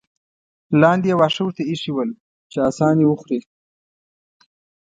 لاندې یې واښه ورته اېښي ول چې اسان یې وخوري.